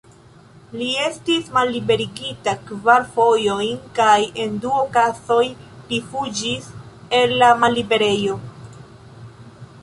Li estis malliberigita kvar fojojn kaj, en du okazoj, li fuĝis el la malliberejo.